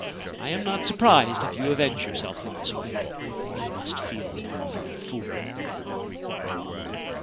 I am not surprised if you avenge yourself in this way — you must feel an old fool